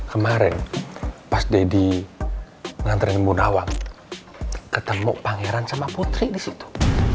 kemarin pas dedi nganterin bu nawang ketemu pangeran sama putri di situ